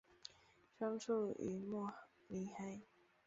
生卒于慕尼黑。